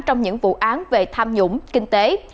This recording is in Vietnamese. trong những vụ án về tham nhũng kinh tế